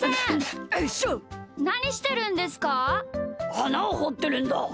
あなをほってるんだ。